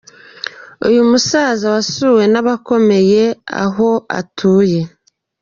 Uyu musaza wasuwe n’ abakomeye aho atuye .